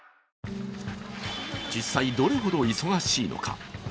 実際、どれほど忙しいのか。